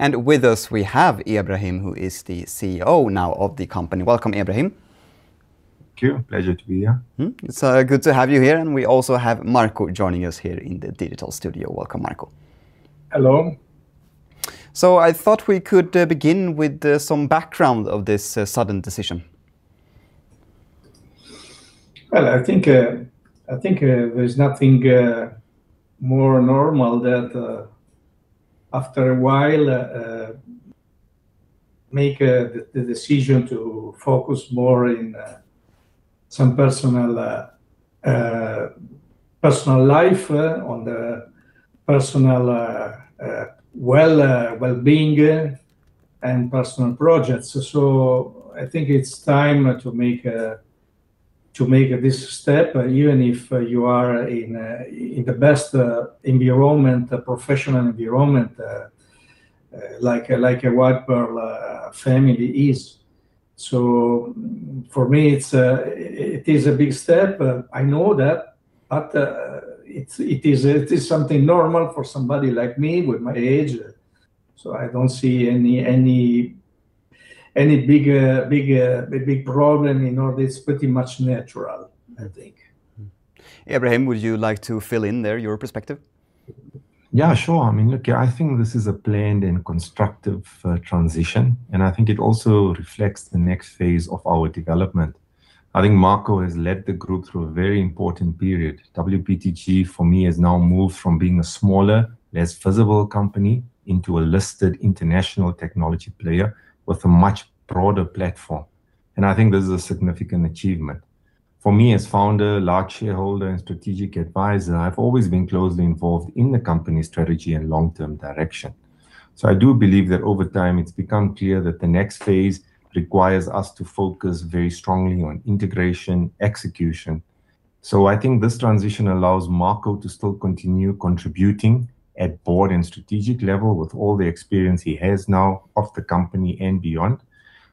With us, we have Ebrahim, who is the CEO now of the company. Welcome, Ebrahim. Thank you. Pleasure to be here. It's good to have you here, and we also have Marco joining us here in the digital studio. Welcome, Marco. Hello. I thought we could begin with some background of this sudden decision. I think there's nothing more normal that after a while, make the decision to focus more on some personal life, on the personal wellbeing, and personal projects. I think it's time to make this step, even if you are in the best environment, professional environment, like a White Pearl family is. For me, it is a big step. I know that, it is something normal for somebody like me with my age, I don't see any big problem in all this. Pretty much natural, I think. Ebrahim, would you like to fill in there, your perspective? Sure. I think this is a planned and constructive transition, I think it also reflects the next phase of our development. I think Marco has led the group through a very important period. WPTG, for me, has now moved from being a smaller, less visible company into a listed international technology player with a much broader platform, I think this is a significant achievement. For me, as founder, large shareholder, and strategic advisor, I've always been closely involved in the company strategy and long-term direction. I do believe that over time it's become clear that the next phase requires us to focus very strongly on integration, execution. I think this transition allows Marco to still continue contributing at board and strategic level with all the experience he has now of the company and beyond,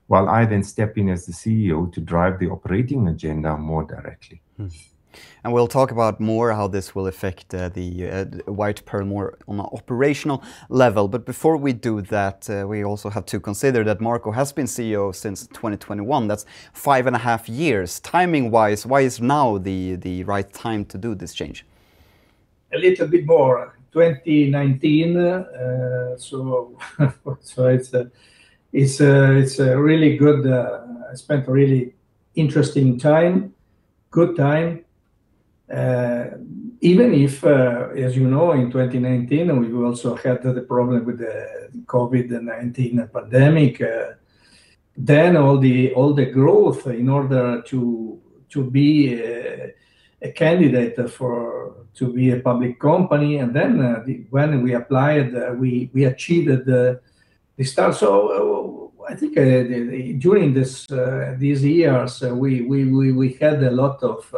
while I then step in as the CEO to drive the operating agenda more directly. We'll talk about more how this will affect the White Pearl more on an operational level. Before we do that, we also have to consider that Marco has been CEO since 2019. That's five and a half years. Timing-wise, why is now the right time to do this change? A little bit more, 2019. It's really good. I spent a really interesting time, good time. Even if, as you know, in 2019, we also had the problem with the COVID-19 pandemic. All the growth in order to be a candidate to be a public company, when we applied, we achieved the start. I think during these years, we had a lot of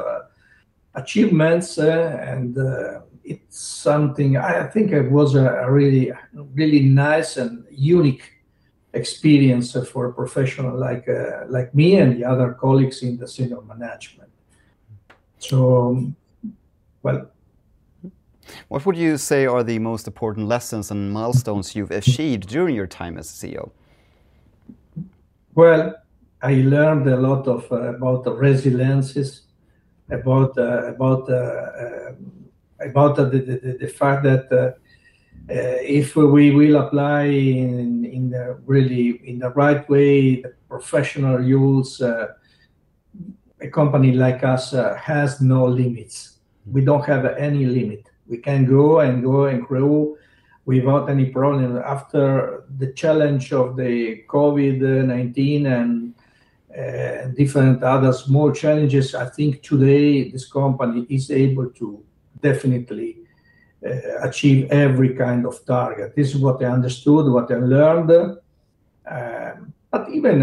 achievements. I think it was a really nice and unique experience for a professional like me and the other colleagues in the senior management. Well. What would you say are the most important lessons and milestones you've achieved during your time as CEO? Well, I learned a lot about the resilience, about the fact that if we will apply in the right way, the professional rules, a company like us has no limits. We don't have any limit. We can go and go and grow without any problem. After the challenge of the COVID-19 and different other small challenges, I think today this company is able to definitely achieve every kind of target. This is what I understood, what I learned. Even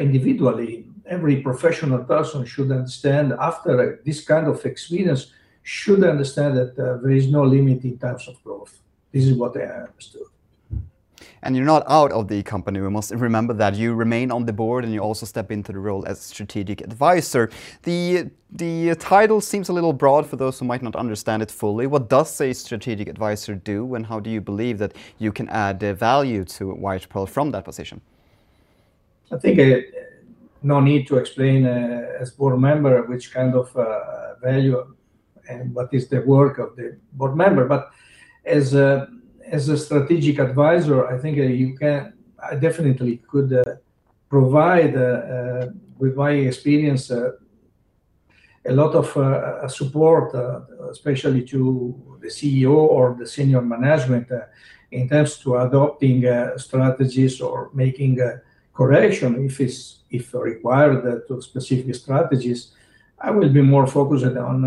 individually, every professional person should understand, after this kind of experience, should understand that there is no limit in terms of growth. This is what I understood. You're not out of the company. We must remember that you remain on the board, and you also step into the role as Strategic Advisor. The title seems a little broad for those who might not understand it fully. What does a Strategic Advisor do, and how do you believe that you can add value to White Pearl from that position? I think no need to explain as board member, which kind of value and what is the work of the board member. As a Strategic Advisor, I think I definitely could provide, with my experience, a lot of support, especially to the CEO or the senior management in terms to adopting strategies or making a correction if required to specific strategies. I will be more focused on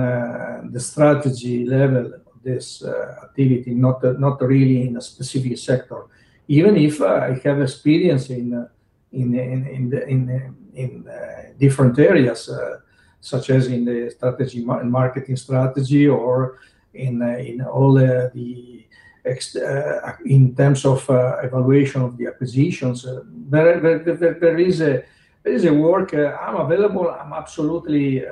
the strategy level of this activity, not really in a specific sector. Even if I have experience in different areas, such as in marketing strategy or in terms of evaluation of the acquisitions. There is a work. I'm available. I'm absolutely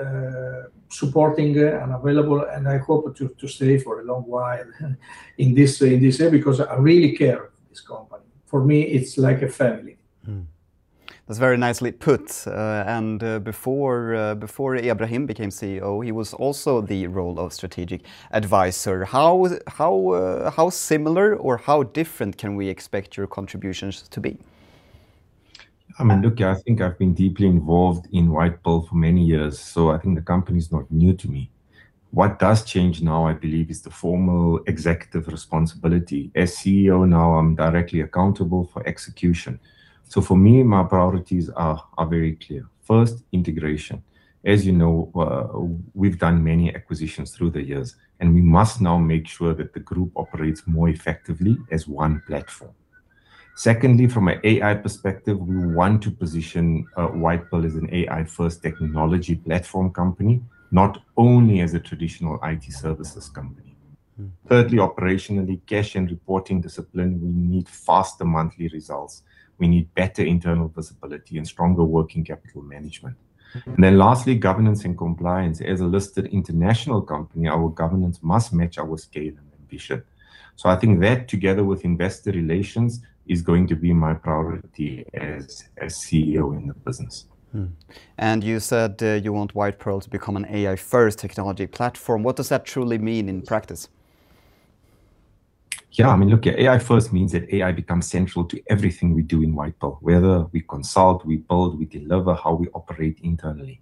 supporting and available, and I hope to stay for a long while in this area because I really care for this company. For me, it's like a family. That's very nicely put. Before Ebrahim became CEO, he was also the role of Strategic Advisor. How similar or how different can we expect your contributions to be? I think I've been deeply involved in White Pearl for many years, so I think the company's not new to me. What does change now, I believe, is the formal executive responsibility. As CEO now, I'm directly accountable for execution. For me, my priorities are very clear. First, integration. As you know, we've done many acquisitions through the years, and we must now make sure that the group operates more effectively as one platform. Secondly, from an AI perspective, we want to position White Pearl as an AI first technology platform company, not only as a traditional IT services company. Thirdly, operationally, cash and reporting discipline, we need faster monthly results. We need better internal visibility and stronger working capital management. Lastly, governance and compliance. As a listed international company, our governance must match our scale and ambition. I think that together with investor relations, is going to be my priority as CEO in the business. You said you want White Pearl to become an AI first technology platform. What does that truly mean in practice? Look, AI first means that AI becomes central to everything we do in White Pearl, whether we consult, we build, we deliver, how we operate internally.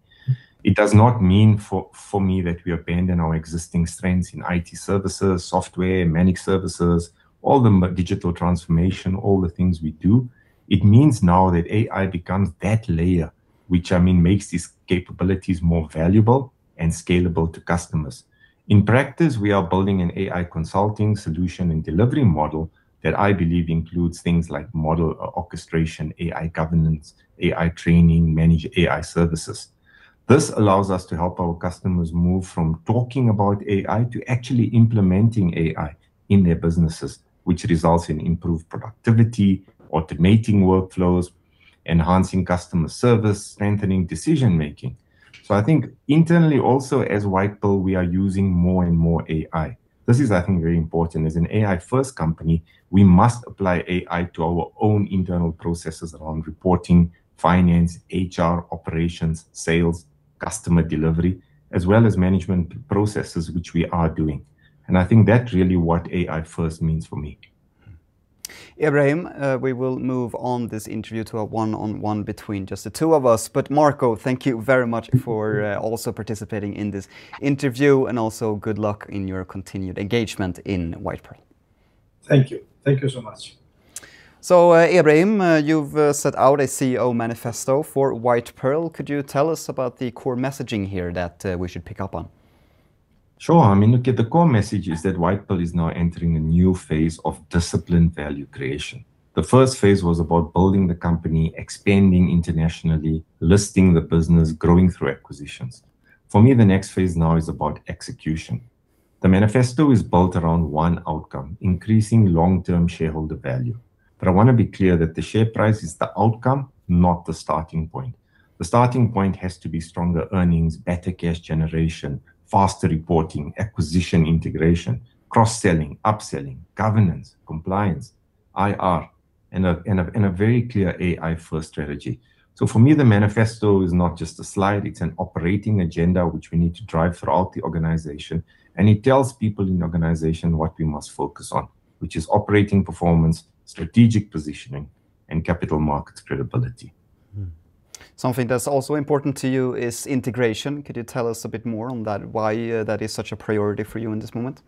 It does not mean, for me, that we abandon our existing strengths in IT services, software, managed services, all the digital transformation, all the things we do. It means now that AI becomes that layer, which makes these capabilities more valuable and scalable to customers. In practice, we are building an AI consulting solution and delivery model that I believe includes things like model orchestration, AI governance, AI training, managed AI services. This allows us to help our customers move from talking about AI to actually implementing AI in their businesses, which results in improved productivity, automating workflows, enhancing customer service, strengthening decision-making. I think internally also as White Pearl, we are using more and more AI. This is, I think, very important. As an AI first company, we must apply AI to our own internal processes around reporting, finance, HR, operations, sales, customer delivery, as well as management processes, which we are doing. I think that's really what AI first means for me. Ebrahim, we will move on this interview to a one-on-one between just the two of us. Marco, thank you very much for also participating in this interview, and also good luck in your continued engagement in White Pearl. Thank you. Thank you so much. Ebrahim, you've set out a CEO manifesto for White Pearl. Could you tell us about the core messaging here that we should pick up on? Sure. Look, the core message is that White Pearl is now entering a new phase of disciplined value creation. The first phase was about building the company, expanding internationally, listing the business, growing through acquisitions. For me, the next phase now is about execution. The manifesto is built around one outcome, increasing long-term shareholder value. I want to be clear that the share price is the outcome, not the starting point. The starting point has to be stronger earnings, better cash generation, faster reporting, acquisition integration, cross-selling, upselling, governance, compliance, IR, and a very clear AI first strategy. For me, the manifesto is not just a slide, it's an operating agenda which we need to drive throughout the organization. It tells people in the organization what we must focus on, which is operating performance, strategic positioning, and capital market credibility. Something that's also important to you is integration. Could you tell us a bit more on that, why that is such a priority for you in this moment?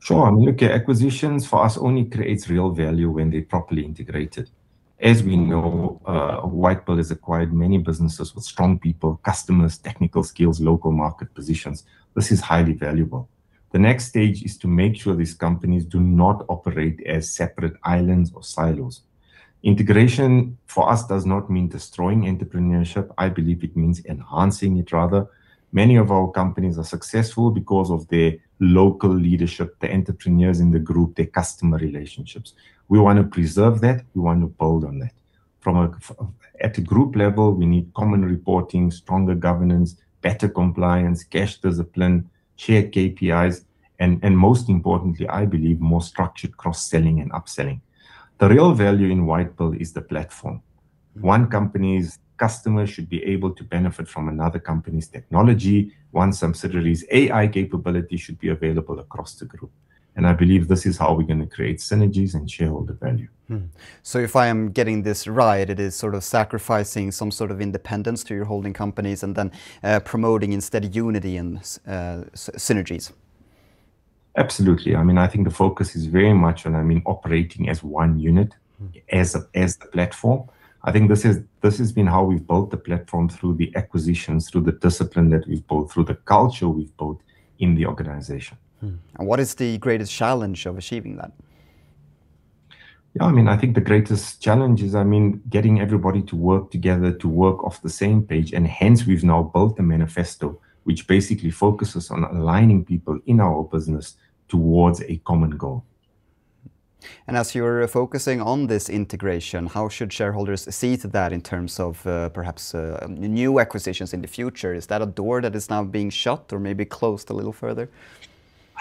Sure. Look, acquisitions for us only creates real value when they're properly integrated. As we know, White Pearl has acquired many businesses with strong people, customers, technical skills, local market positions. This is highly valuable. The next stage is to make sure these companies do not operate as separate islands or silos. Integration for us does not mean destroying entrepreneurship. I believe it means enhancing it, rather. Many of our companies are successful because of their local leadership, the entrepreneurs in the group, their customer relationships. We want to preserve that, we want to build on that. At a group level, we need common reporting, stronger governance, better compliance, cash discipline, shared KPIs, and most importantly, I believe more structured cross-selling and upselling. The real value in White Pearl is the platform. One company's customers should be able to benefit from another company's technology. One subsidiary's AI capability should be available across the group. I believe this is how we're going to create synergies and shareholder value. If I am getting this right, it is sort of sacrificing some sort of independence to your holding companies and then promoting instead unity and synergies. Absolutely. I think the focus is very much on operating as one unit, as the platform. I think this has been how we've built the platform through the acquisitions, through the discipline that we've built, through the culture we've built in the organization. What is the greatest challenge of achieving that? I think the greatest challenge is getting everybody to work together, to work off the same page, and hence we've now built a manifesto, which basically focuses on aligning people in our business towards a common goal. As you're focusing on this integration, how should shareholders see to that in terms of perhaps new acquisitions in the future? Is that a door that is now being shut or maybe closed a little further?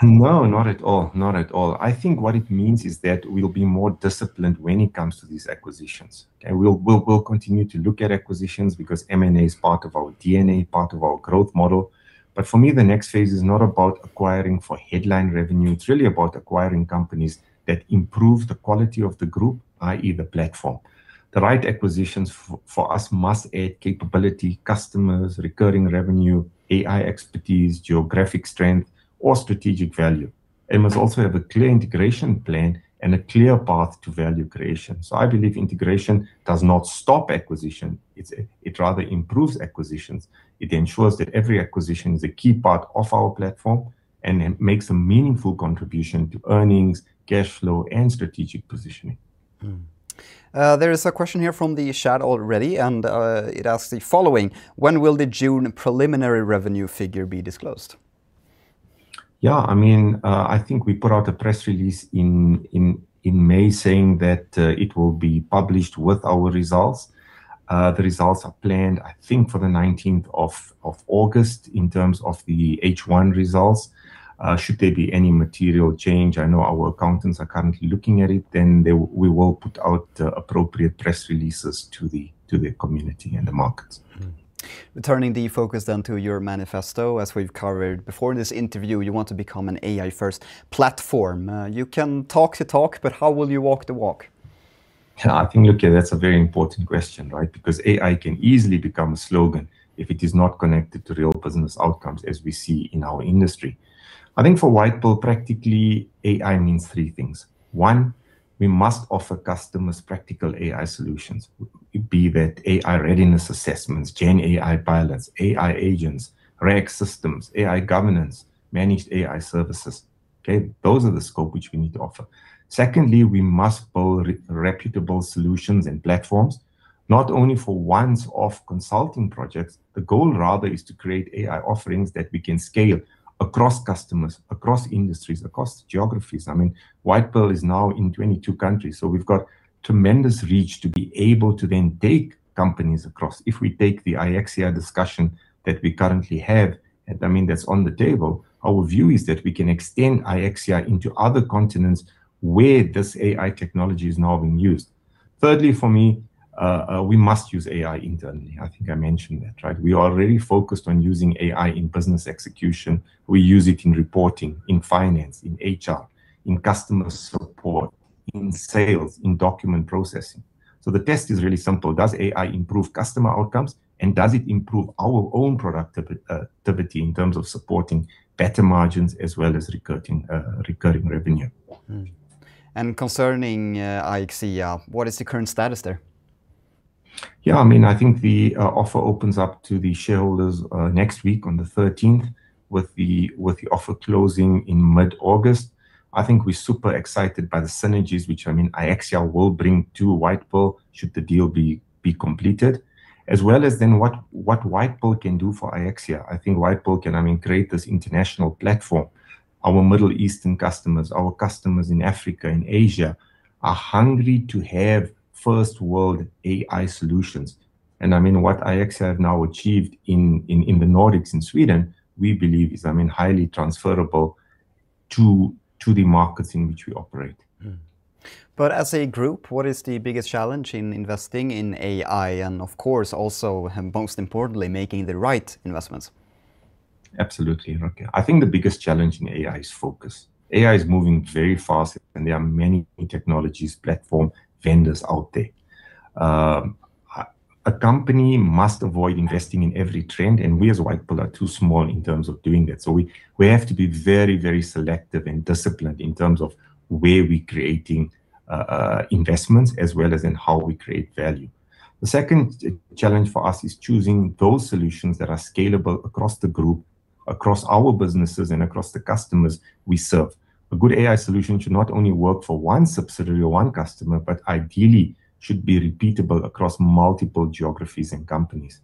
No, not at all. I think what it means is that we'll be more disciplined when it comes to these acquisitions. Okay? We'll continue to look at acquisitions because M&A is part of our DNA, part of our growth model, but for me, the next phase is not about acquiring for headline revenue. It's really about acquiring companies that improve the quality of the group, i.e., the platform. The right acquisitions for us must add capability, customers, recurring revenue, AI expertise, geographic strength, or strategic value, and must also have a clear integration plan and a clear path to value creation. I believe integration does not stop acquisition. It rather improves acquisitions. It ensures that every acquisition is a key part of our platform and makes a meaningful contribution to earnings, cash flow, and strategic positioning. There is a question here from the chat already. It asks the following: when will the June preliminary revenue figure be disclosed? Yeah. I mean, I think we put out a press release in May saying that it will be published with our results. The results are planned, I think, for the 19th of August in terms of the H1 results. Should there be any material change, I know our accountants are currently looking at it, we will put out appropriate press releases to the community and the markets. Turning the focus to your manifesto, as we've covered before in this interview, you want to become an AI first platform. You can talk the talk, how will you walk the walk? That's a very important question, right? AI can easily become a slogan if it is not connected to real business outcomes as we see in our industry. For White Pearl, practically AI means three things. One, we must offer customers practical AI solutions, be that AI readiness assessments, GenAI pilots, AI agents, RAG systems, AI governance, managed AI services. Those are the scope which we need to offer. Secondly, we must build reputable solutions and platforms, not only for once-off consulting projects. The goal rather is to create AI offerings that we can scale across customers, across industries, across geographies. White Pearl is now in 22 countries, we've got tremendous reach to be able to then take companies across. If we take the Aixia discussion that we currently have, that's on the table, our view is that we can extend Aixia into other continents where this AI technology is now being used. Thirdly, for me, we must use AI internally. I mentioned that, right? We are really focused on using AI in business execution. We use it in reporting, in finance, in HR, in customer support, in sales, in document processing. The test is really simple. Does AI improve customer outcomes, and does it improve our own productivity in terms of supporting better margins as well as recurring revenue? Concerning Aixia, what is the current status there? The offer opens up to the shareholders next week on the 13th with the offer closing in mid-August. We're super excited by the synergies which Aixia will bring to White Pearl should the deal be completed, as well as what White Pearl can do for Aixia. White Pearl can create this international platform. Our Middle Eastern customers, our customers in Africa and Asia are hungry to have first world AI solutions, what Aixia have now achieved in the Nordics in Sweden, we believe is highly transferable to the markets in which we operate. As a group, what is the biggest challenge in investing in AI, and of course also, and most importantly, making the right investments? Absolutely, Loke. I think the biggest challenge in AI is focus. AI is moving very fast, and there are many new technologies, platform vendors out there. A company must avoid investing in every trend, and we as White Pearl are too small in terms of doing that. We have to be very, very selective and disciplined in terms of where we're creating investments as well as in how we create value. The second challenge for us is choosing those solutions that are scalable across the group, across our businesses, and across the customers we serve. A good AI solution should not only work for one subsidiary or one customer, but ideally should be repeatable across multiple geographies and companies.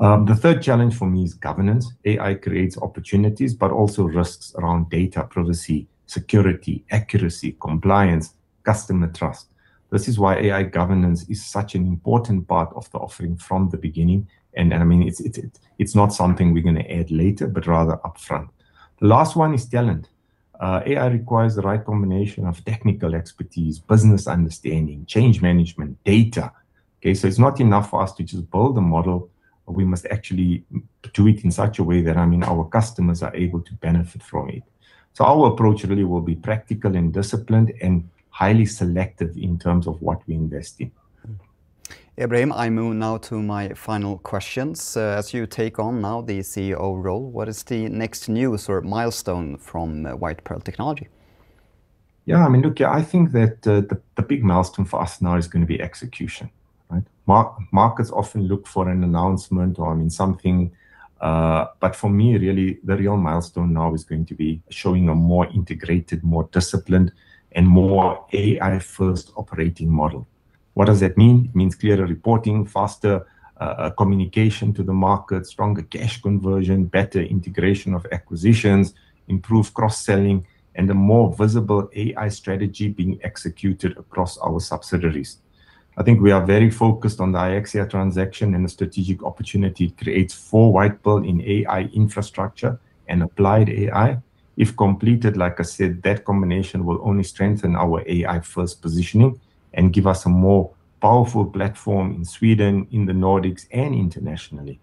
The third challenge for me is governance. AI creates opportunities, but also risks around data privacy, security, accuracy, compliance, customer trust. This is why AI governance is such an important part of the offering from the beginning, and it's not something we're going to add later, but rather upfront. The last one is talent. AI requires the right combination of technical expertise, business understanding, change management, data. Okay? It's not enough for us to just build the model. We must actually do it in such a way that our customers are able to benefit from it. Our approach really will be practical and disciplined and highly selective in terms of what we invest in. Ebrahim, I move now to my final questions. As you take on now the CEO role, what is the next news or milestone from White Pearl Technology? Yeah, I mean, look, I think that the big milestone for us now is going to be execution, right? Markets often look for an announcement or something, but for me, really the real milestone now is going to be showing a more integrated, more disciplined, and more AI-first operating model. What does that mean? It means clearer reporting, faster communication to the market, stronger cash conversion, better integration of acquisitions, improved cross-selling, and a more visible AI strategy being executed across our subsidiaries. I think we are very focused on the Aixia transaction and the strategic opportunity it creates for White Pearl in AI infrastructure and applied AI. If completed, like I said, that combination will only strengthen our AI-first positioning and give us a more powerful platform in Sweden, in the Nordics, and internationally.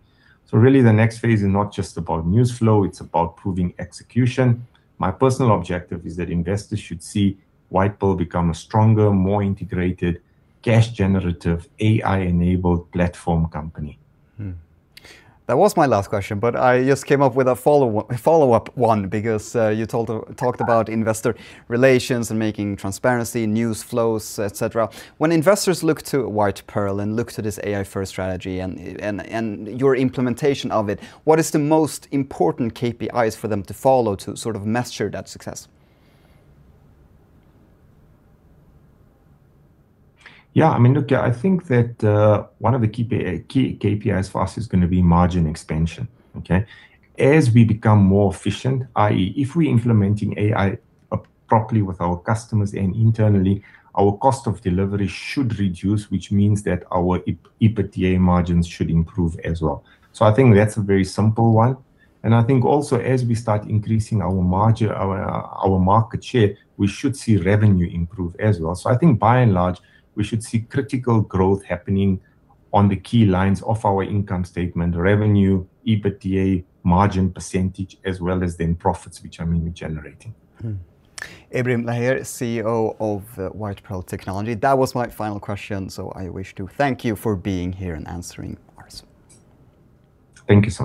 Really the next phase is not just about news flow, it's about proving execution. My personal objective is that investors should see White Pearl become a stronger, more integrated cash-generative, AI-enabled platform company. That was my last question, I just came up with a follow-up one because you talked about investor relations and making transparency, news flows, et cetera. When investors look to White Pearl and look to this AI-first strategy and your implementation of it, what is the most important KPIs for them to follow to sort of measure that success? Yeah, look, I think that one of the key KPIs for us is going to be margin expansion. Okay? As we become more efficient, i.e., if we're implementing AI properly with our customers and internally, our cost of delivery should reduce, which means that our EBITDA margins should improve as well. I think that's a very simple one, and I think also as we start increasing our market share, we should see revenue improve as well. I think by and large, we should see critical growth happening on the key lines of our income statement, revenue, EBITDA, margin percentage, as well as then profits, which I mean, we're generating. Ebrahim Laher, CEO of White Pearl Technology. That was my final question. I wish to thank you for being here and answering ours. Thank you so much.